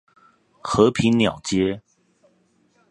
和平鳥街